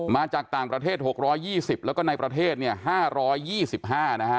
มาจากต่างประเทศ๖๒๐แล้วก็ในประเทศเนี่ย๕๒๕นะฮะ